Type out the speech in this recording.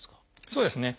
そうですね。